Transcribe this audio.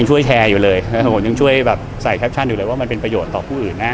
ช่วยแชร์อยู่เลยนะครับผมยังช่วยแบบใส่แคปชั่นอยู่เลยว่ามันเป็นประโยชน์ต่อผู้อื่นแน่